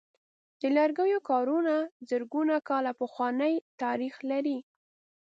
د لرګیو کارونه زرګونه کاله پخوانۍ تاریخ لري.